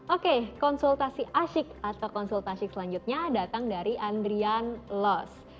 oke konsultasi asyik atau konsultasi selanjutnya datang dari andrian los